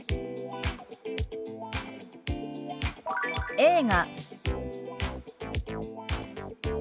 「映画」。